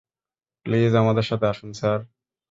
Please, আমাদের সাথে আসুন, স্যার!